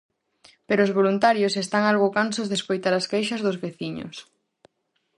Pero os voluntarios están algo cansos de escoitar as queixas dos veciños.